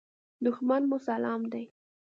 دښمن مو اسلام دی.